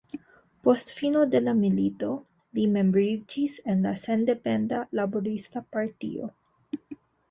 Post fino de la milito, li membriĝis en la Sendependa Laborista Partio.